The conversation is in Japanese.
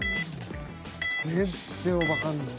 全然わかんない。